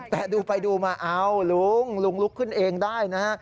แต่ดูไปดูมาเอ้าลุงลุงลุกขึ้นเองได้นะฮะ